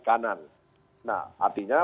kanan nah artinya